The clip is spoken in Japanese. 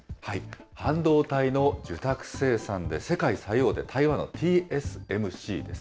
半導体の受託生産で世界最大手、台湾のＴＳＭＣです。